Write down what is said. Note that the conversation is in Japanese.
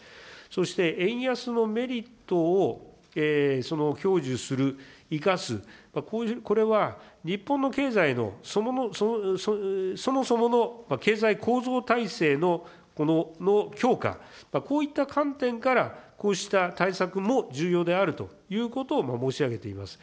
そして、円安のメリットを享受する、生かす、これは、日本の経済のそもそもの経済構造体制の強化、こういった観点から、こうした対策も重要であるということを申し上げています。